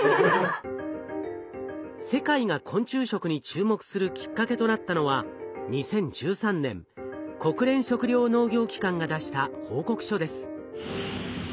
世界が昆虫食に注目するきっかけとなったのは２０１３年国連食糧農業機関が出した報告書です。